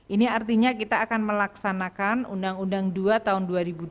ini artinya kita akan melaksanakan undang undang dua tahun dua ribu dua puluh